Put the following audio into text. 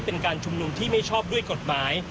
เป็นการชุมนุมที่ไม่ชอบด้วยกฎหมาย